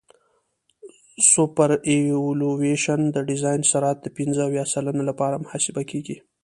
سوپرایلیویشن د ډیزاین سرعت د پنځه اویا سلنه لپاره محاسبه کیږي